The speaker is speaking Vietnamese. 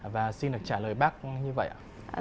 và xin được trả lời bác như vậy ạ